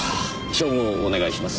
照合をお願いします。